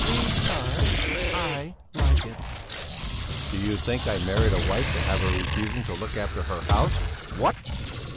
"Because I like it." "Do you think I married a wife to have her refusing to look after her house? What?"